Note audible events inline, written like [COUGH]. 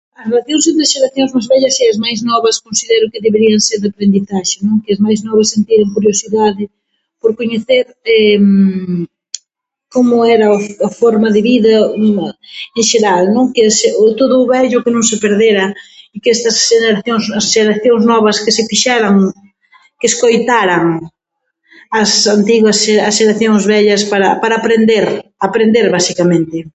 As relación entre as xeracións máis vellas e as máis novas considero que deberían ser de aprendizaxe, non? Que as máis novas sentiran curiosidade por coñecer [HESITATION] como era o a a forma de vida en xeral, non? Que se, todo o vello que non se perdera, que estas xeneracións, xeracións novas que se quixeran, que escoitaran as antigas xe- as xeracións vellas para para aprender, aprender, basicamente.